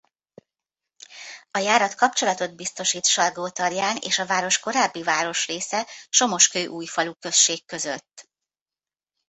A járat kapcsolatot biztosít Salgótarján és a város korábbi városrésze Somoskőújfalu község között.